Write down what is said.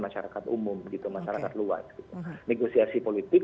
masyarakat umum gitu masyarakat luas negosiasi politik